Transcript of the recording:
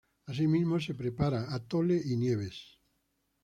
Así mismo se prepara atole y nieves.